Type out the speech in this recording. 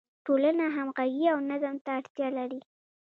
ټولنه همغږي او نظم ته اړتیا لري.